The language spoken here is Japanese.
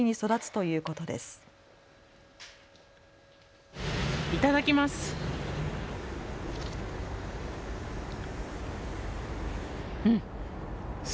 いただきます。